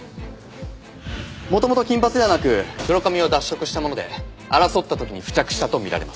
元々金髪ではなく黒髪を脱色したもので争った時に付着したとみられます。